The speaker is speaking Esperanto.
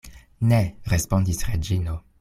Ne, respondis Reĝino.